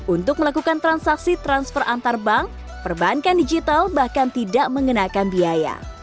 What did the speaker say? untuk melakukan transaksi transfer antar bank perbankan digital bahkan tidak mengenakan biaya